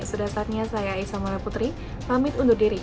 sudah saatnya saya isamora putri pamit undur diri